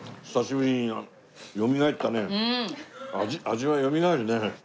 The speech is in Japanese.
味はよみがえるね。